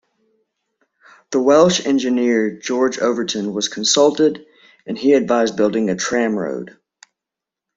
The Welsh engineer George Overton was consulted, and he advised building a tramroad.